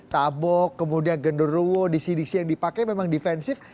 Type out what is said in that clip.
tabok kemudian gendero disidisi yang dipakai memang defensif